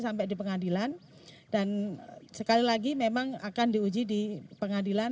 sampai di pengadilan dan sekali lagi memang akan diuji di pengadilan